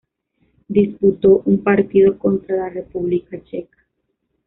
Disputó un partido contra la República Checa.